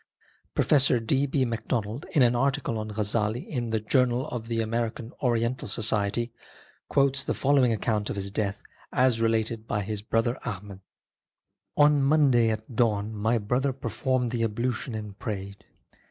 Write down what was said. Professor D. B. Macdonald, in an article on Ghazzali in the Jour nal of the American Oriental Society , quotes the following account of his death as related by his brother Ahmad :" On Monday at dawn my brother performed the ablution and prayed.